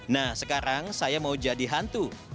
nah sekarang saya mau jadi hantu